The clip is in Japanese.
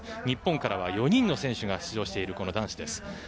日本からは４人の選手が出場している男子です。